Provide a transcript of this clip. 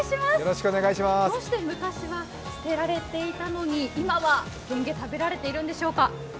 どうして昔は捨てられていたのに今はゲンゲ、食べられてるんでしょうか。